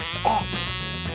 あっ！